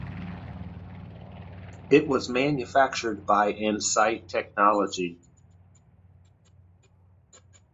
It was manufactured by Insight Technology.